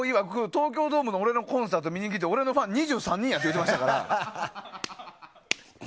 東京ドームにコンサートを見に来た時、俺のファンは２３人やって言うてましたから。